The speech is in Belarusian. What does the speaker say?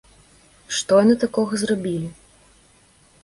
Што яны такога зрабілі?